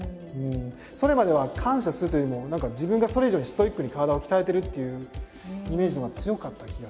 それまでは感謝するというよりも何か自分がそれ以上にストイックに体を鍛えてるっていうイメージのほうが強かった気が。